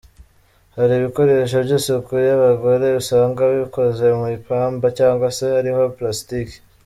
Hari ibikoresho by’isuku y’abagore usanga bikoze mu ipamba cyangwa se hariho plasitique.